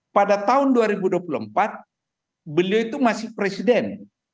pada tahun dua ribu dua puluh empat beliau itu masih presiden